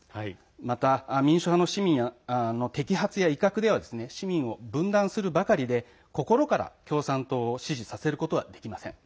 また、民主派の市民の摘発や威嚇では市民を分断するばかりで心から共産党を支持させることはできません。